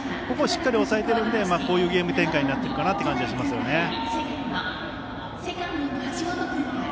ここをしっかり抑えているのでこういうゲーム展開になっているのかなと思いますね。